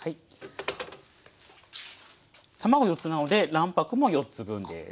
卵４つなので卵白も４つ分です。